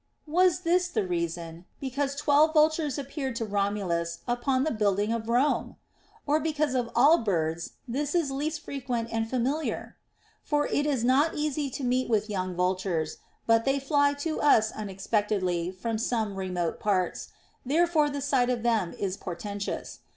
Was this the reason, because twelve vultures appeared to Romulus upon the building of Rome ? Or because of all birds this is least frequent and familiar ? For it is not easy to meet with young vultures, but they fly to us unexpectedly from some remote parts ; therefore the sight of them is portentous.